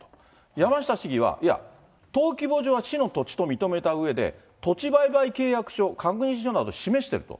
山下市議は、いや、登記簿上は市の土地と認めたうえで、土地売買契約書、確約書など示していると。